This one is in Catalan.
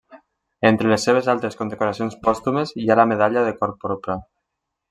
Entre les seves altres condecoracions pòstumes hi ha la medalla del Cor Porpra.